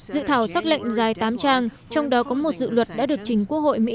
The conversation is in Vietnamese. dự thảo xác lệnh dài tám trang trong đó có một dự luật đã được chính quốc hội mỹ